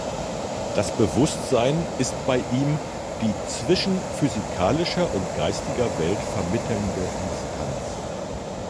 Das Bewusstsein ist bei ihm die zwischen physikalischer und geistiger Welt vermittelnde Instanz.